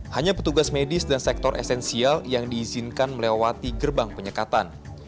hanya petugas medis dan sektor esensial yang diizinkan melewati gerbang penyekatan